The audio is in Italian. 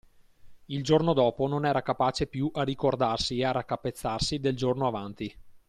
Il giorno dopo non era capace più a ricordarsi e a raccapezzarsi del giorno avanti;